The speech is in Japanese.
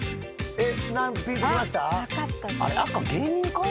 えっ。